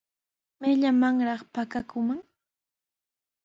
¿Mayllamanraq pakakuuman?